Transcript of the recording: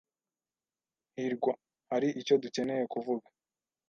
hirwa, hari icyo dukeneye kuvuga?